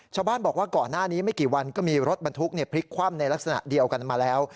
ชาวบ้านบอกว่าก่อนหน้านี้ไม่กี่วันก็มีรถบรรทุกพลิกคว่ำในลักษณะเดียวกันมาแล้ว